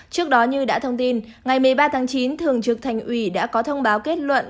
trước đó như đã thông tin ngày một mươi ba tháng chín thường trực thành ủy đã có thông báo kết luận